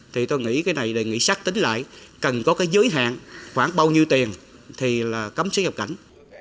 thì tôi nghĩ cái này để nghĩ sắc tính lại cần có cái giới hạn khoảng bao nhiêu tiền thì là cấm xuất nhập cảnh